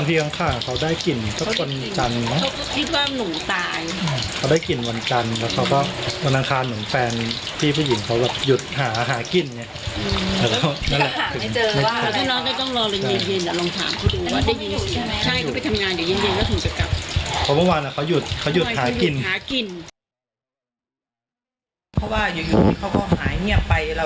เสียงโวยวายทั้งผู้หรือว่าผู้หญิงโวยวายอยู่คนเดียว